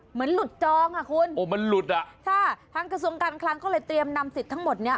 เหมือนหลุดจองค่ะคุณทางกระทรวงการครั้งก็เลยเตรียมนำสิทธิ์ทั้งหมดนี้